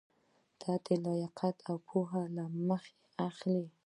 دا د لیاقت او پوهې له مخې اخلي.